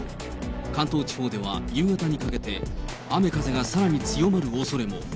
関東地方では夕方にかけて、雨、風がさらに強まるおそれも。